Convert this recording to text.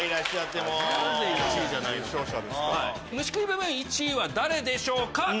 虫食い部分１位は誰でしょうか？